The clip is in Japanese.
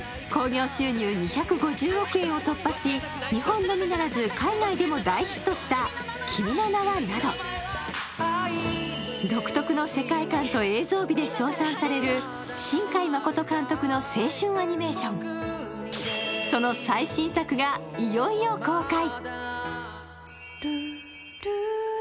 日本のみならず海外でも大ヒットした「君の名は」など独特の世界観と映像美で称賛される新海誠監督の青春アニメーション、その最新作が、いよいよ公開。